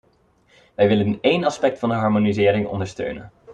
Wij willen één aspect van de harmonisering ondersteunen.